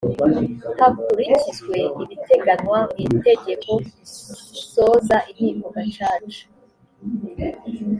hakurikizwe ibiteganywa mu itegeko risoza inkiko gacaca